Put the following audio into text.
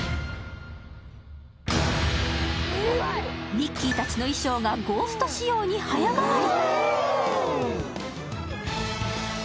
ミッキーたちの衣装がゴースト仕様に早変わり。